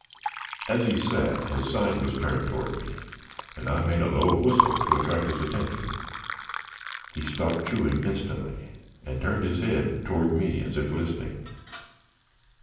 As he sat, his side was turned toward me, and I made a low whistle to attract his attention. He stopped chewing instantly, and turned his head toward me as if listening.